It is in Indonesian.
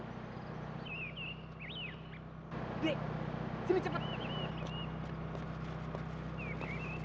dek sini cepat